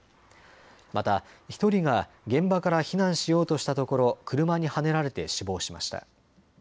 また１人が現場から避難しようとしたところ車にはねられて死亡しました。